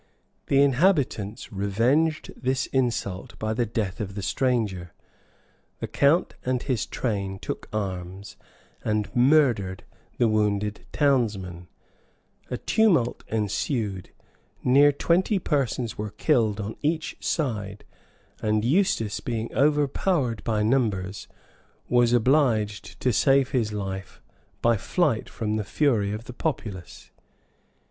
The inhabitants revenged this insult by the death of the stranger; the count and his train took arms, and murdered the wounded townsman; a tumult ensued; near twenty persons were killed on each side; and Eustace, being overpowered by numbers, was obliged to save his life by flight from the fury of the populace.